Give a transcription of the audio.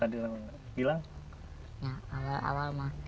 dengan kondisi ini